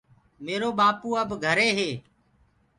ميرو ٻآپو اب گھري هي۔